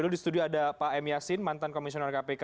dulu di studio ada pak m yasin mantan komisioner kpk